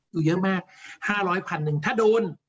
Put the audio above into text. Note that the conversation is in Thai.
อยู่เยอะมาก๕๐๐๐๐๐ถ้าโดน